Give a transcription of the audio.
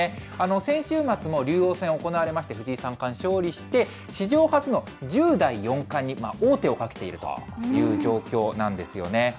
先週末も竜王戦行われまして、藤井三冠勝利して、史上初の１０代四冠に王手をかけているという状況なんですよね。